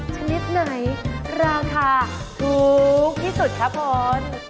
ชนิดไหนราคาถูกที่สุดครับพล